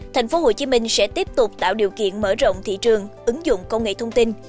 tp hcm sẽ tiếp tục tạo điều kiện mở rộng thị trường ứng dụng công nghệ thông tin